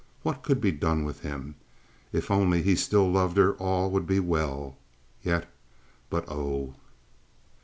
What could be done with him? If only he still loved her all would be well yet—but oh!